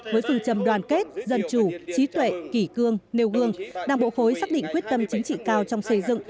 với phương trầm đoàn kết dân chủ trí tuệ kỷ cương nêu gương đảng bộ khối xác định quyết tâm chính trị cao trong xây dựng